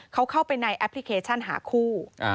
เขาเข้าไปในแอปพลิเคชันหาคู่